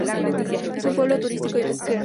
Es un pueblo turístico y pesquero.